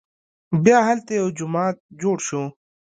بیا هلته یو جومات جوړ شو.